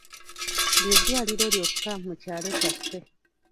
Ly'eddwaliro lyokka mu kyalo kyaffe.